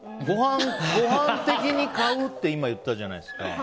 ごはん的に買うって今、言ったじゃないですか。